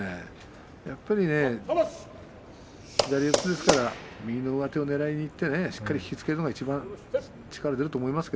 やはり左四つですから右の上手をねらいにいってしっかり引き付けるのがいちばん力が出ると思います。